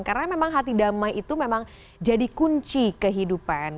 karena memang hati damai itu memang jadi kunci kehidupan